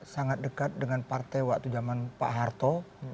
sangat dekat dengan partai waktu zaman pak harto